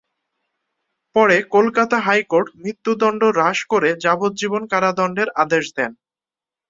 পরে কলকাতা হাইকোর্ট মৃত্যুদণ্ড হ্রাস করে যাবজ্জীবন কারাদণ্ডের আদেশ দেন।